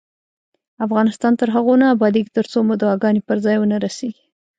افغانستان تر هغو نه ابادیږي، ترڅو مو دعاګانې پر ځای ونه رسیږي.